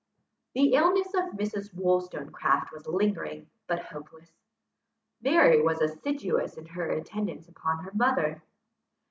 The illness of Mrs. Wollstonecraft was lingering, but hopeless. Mary was assiduous in her attendance upon her mother.